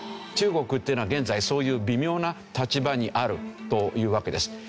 中国っていうのは現在そういう微妙な立場にあるというわけです。